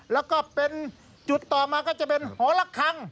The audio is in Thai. แล้วก็เป็นจุดต่อมาก็จะเป็นหอละคัง